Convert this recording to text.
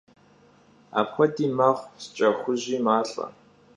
Apxuedi mexhu, şşç'exhuji malh'e.